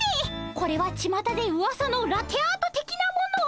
これはちまたでうわさのラテアートてきなもの。